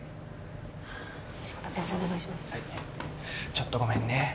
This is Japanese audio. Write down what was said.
ちょっとごめんね。